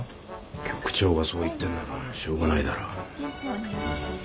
局長がそう言ってるならしょうがないだろう。